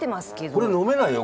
これ飲めないよ。